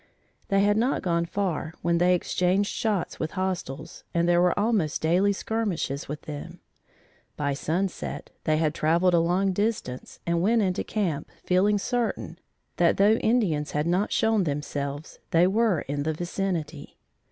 They had not gone far, when they exchanged shots with hostiles and there were almost daily skirmishes with them. By sunset they had travelled a long distance, and went into camp, feeling certain that though Indians had not shown themselves, they were in the vicinity.